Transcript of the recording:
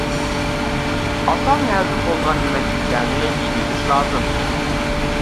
ئاسان ھەزىم بولىدىغان يېمەكلىكلەرنى يېگۈزۈش لازىم.